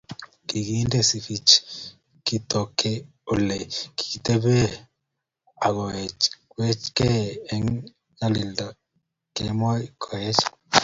Kikinde Sifichi kitok Ole kitebee akowechwechkei eng ngwonindonyi kemoi Koech